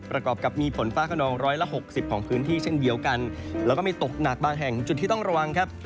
กรอบกับมีฝนฟ้าขนองร้อยละหกสิบของพื้นที่เช่นเดียวกันแล้วก็มีตกหนักบางแห่งจุดที่ต้องระวังครับ